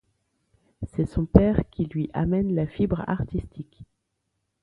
C'est son père qui lui amène la fibre artistique.